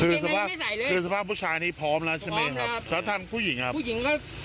คือสภาพคือสภาพผู้ชายนี้พร้อมแล้วใช่ไหมครับแล้วท่านผู้หญิงครับผู้หญิงก็